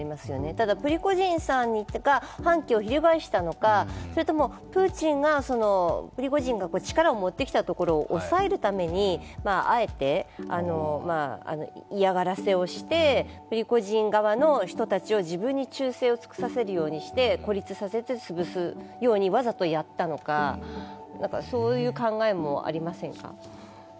ただプリゴジンさんが反旗を翻したのか、それともプーチンが、プリゴジンが力を持ってきたところを抑えるために、あえて嫌がらせをして、プリゴジン側の人たちを自分に忠誠を尽くさせるようにして孤立させて潰すようにわざとやったのか、そういう考えもありませんか？